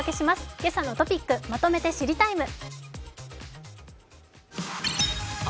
「けさのトピックまとめて知りＴＩＭＥ，」。